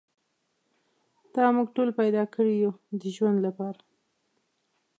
تا موږ ټول پیدا کړي یو د ژوند لپاره.